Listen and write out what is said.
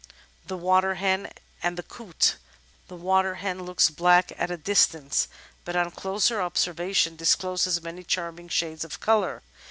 The Waterhen and the Coot The Waterhen looks black at a distance, but on closer obser vation discloses many charming shades of colour.